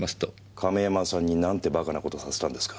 亀山さんに何てバカな事させたんですか。